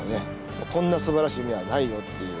こんなすばらしい海はないよっていう